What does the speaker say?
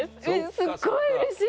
すっごいうれしい！